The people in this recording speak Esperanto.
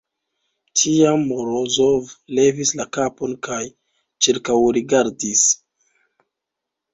Tiam Morozov levis la kapon kaj ĉirkaŭrigardis.